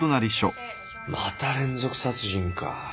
また連続殺人か。